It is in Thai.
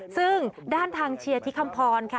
ซึ่งด้านทางเชียร์ที่คำพรค่ะ